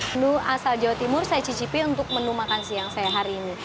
menu asal jawa timur saya cicipi untuk menu makan siang saya hari ini